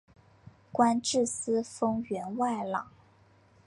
官至司封员外郎。